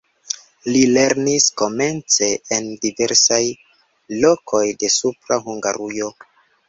Li lernis komence en diversaj lokoj de Supra Hungarujo.